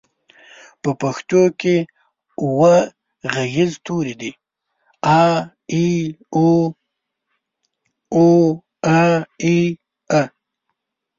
په پښتو کې اووه غږيز توري دي: اَ، اِ، اُ، اٗ، اٰ، اٖ، أ.